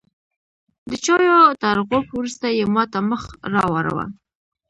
د چایو تر غوړپ وروسته یې ماته مخ راواړوه.